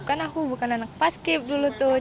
karena aku bukan anak paskip dulu tuh